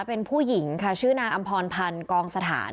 เป็นผู้หญิงค่ะชื่อนางอำพรพันธ์กองสถาน